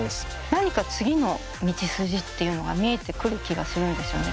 何か次の道筋っていうのが見えてくる気がするんですよね。